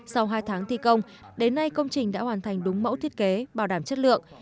sau hai tháng thi công đến nay công trình đã hoàn thành đúng mẫu thiết kế bảo đảm chất lượng